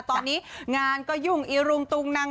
ตอนนี้งานก็ยุ่งอีรุงตุงนัง